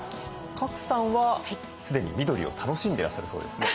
賀来さんは既に緑を楽しんでらっしゃるそうですね。